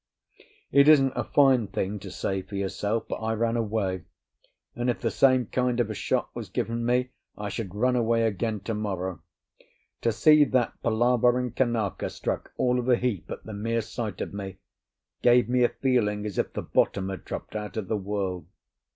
It isn't a fine thing to say for yourself, but I ran away; and if the same kind of a shock was given me, I should run away again to morrow. To see that palavering Kanaka struck all of a heap at the mere sight of me gave me a feeling as if the bottom had dropped out of the world.